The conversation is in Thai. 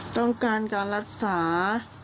ต้องการการรักษา